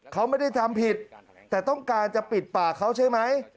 เขาไม่ได้ทำผิดแต่ต้องการจะปิดปากเขาใช่ไหม